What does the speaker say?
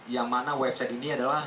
yang mana website ini adalah